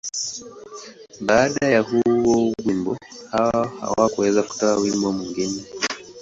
Baada ya huo wimbo, Hawa hakuweza kutoa wimbo mwingine.